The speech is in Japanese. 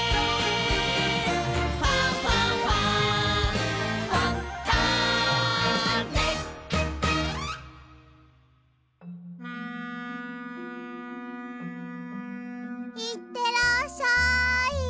「ファンファンファン」いってらっしゃい！